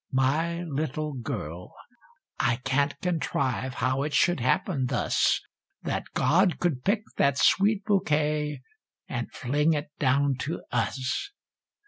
My little girl I can't contrive how it should happen thus That God could pick that sweet bouquet, and fling it down to us!